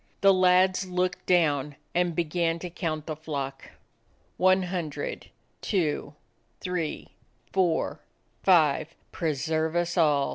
The lads looked down and began to count the flock. "One hundred, two, three, four, five. Pre serve us all!"